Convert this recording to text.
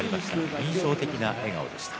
印象的な笑顔でした。